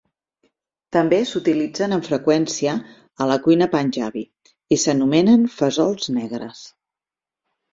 També s'utilitzen amb freqüència a la cuina panjabi, i s'anomenen fesols negres.